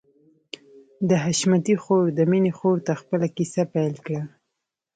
د حشمتي خور د مينې خور ته خپله کيسه پيل کړه.